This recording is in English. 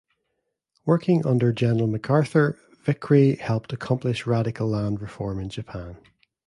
Working under General MacArthur Vickrey helped accomplish radical land reform in Japan.